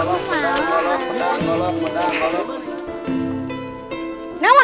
apa yang kamu lakukan